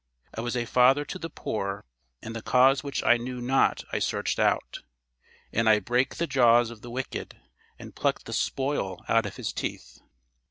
I was a father to the poor; and the cause which I knew not I searched out. And I brake the jaws of the wicked, and plucked the spoil out of his teeth."